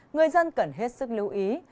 người dân cần hết sức lưu ý